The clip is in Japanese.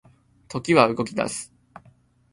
時は動き出す